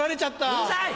うるさい！